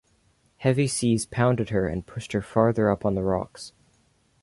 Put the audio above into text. Heavy seas pounded her and pushed her farther up on the rocks.